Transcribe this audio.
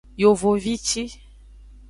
Yevovici.